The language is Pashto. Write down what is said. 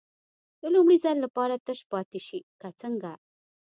د لومړي ځل لپاره تش پاتې شي که څنګه.